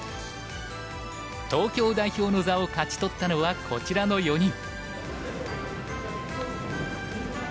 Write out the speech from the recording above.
東京代表の座を勝ち取ったのはこちらの４人。